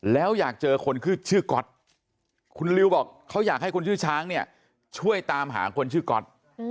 แล้วอยากเจอคนชื่อก๊อตคุณลิวบอกเขาอยากให้คนชื่อช้างเนี่ยช่วยตามหาคนชื่อก๊อต